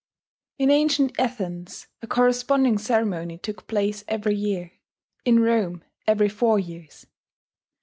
In ancient Athens a corresponding ceremony took place every year; in Rome, every four years.